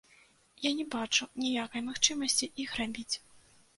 Я не бачу ніякай магчымасці іх рабіць.